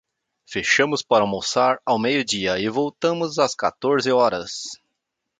Fechamos para almoçar ao meio-dia e voltamos às quatorze horas.